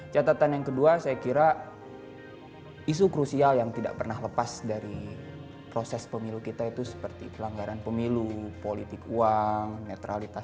catatan yang kedua saya kira isu krusial yang tidak pernah lepas dari proses pemilu kita itu seperti pelanggaran pemilu politik uang netralitas